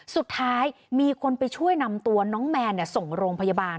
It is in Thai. สุดท้ายมีคนไปช่วยนำตัวน้องแมนส่งโรงพยาบาล